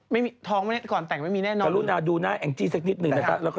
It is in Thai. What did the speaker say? แต่รุ่นเดี๋ยวดูนาแองจี้แสดงนิดนึงนะนะก็จะได้เห็น